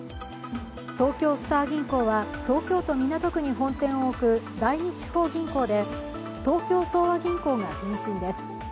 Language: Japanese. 東京スター銀行は東京都港区に本店を置く第二地方銀行で東京相和銀行が前身です。